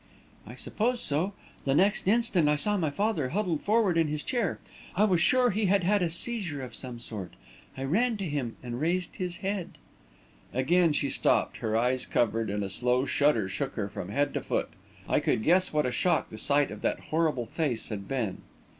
"I suppose so. The next instant I saw my father huddled forward in his chair. I was sure he had had a seizure of some sort; I ran to him, and raised his head...." Again she stopped, her eyes covered, and a slow shudder shook her from head to foot. I could guess what a shock the sight of that horrible face had been!